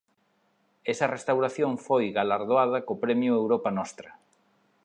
Esa restauración foi galardoada co Premio "Europa Nostra.